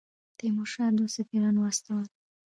تیمورشاه دوه سفیران واستول.